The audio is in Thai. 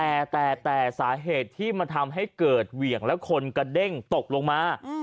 แต่แต่สาเหตุที่มันทำให้เกิดเหวี่ยงและคนกระเด้งตกลงมา